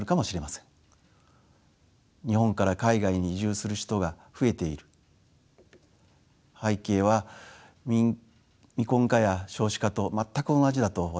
日本から海外に移住する人が増えている背景は未婚化や少子化と全く同じだと私は考えています。